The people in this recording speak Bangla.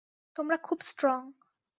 তোমরা খুব স্ট্রং।